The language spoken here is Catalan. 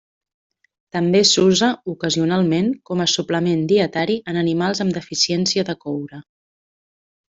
També s'usa, ocasionalment, com a suplement dietari en animals amb deficiència de coure.